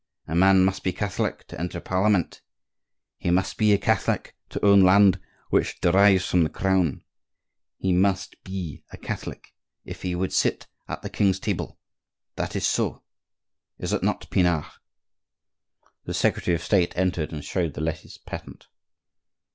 A man must be a Catholic to enter Parliament; he must be a Catholic to own land which derives from the Crown; he must be a Catholic if he would sit at the king's table. That is so, is it not, Pinard?" The secretary of State entered and showed the letters patent.